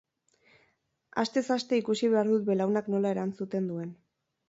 Astez aste ikusi behar dut belaunak nola erantzuten duen.